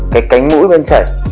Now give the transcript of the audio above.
cái cánh mũi bên chảy